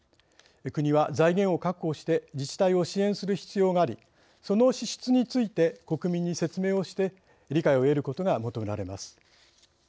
国は財源を確保して自治体を支援する必要がありその支出について国民に説明をして理解を得ることが求められます。